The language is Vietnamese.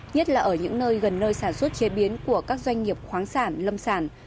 nhất là ở những nơi gần nơi sản xuất chế biến của các doanh nghiệp khoáng sản lâm sản